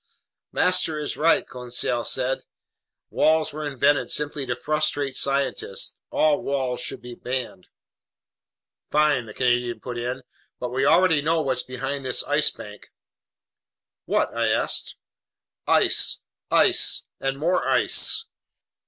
"Master is right," Conseil said. "Walls were invented simply to frustrate scientists. All walls should be banned." "Fine!" the Canadian put in. "But we already know what's behind this Ice Bank." "What?" I asked. "Ice, ice, and more ice."